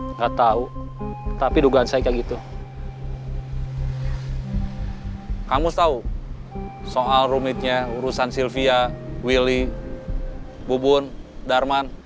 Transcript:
enggak tahu tapi dugaan saya kayak gitu kamu tahu soal rumitnya urusan sylvia willy bubun darman